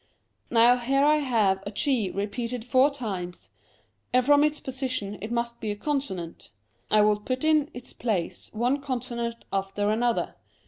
Now here I have a ;^ repeated four times, and from its position it must be a consonant. I will put in its place one con sonant after another.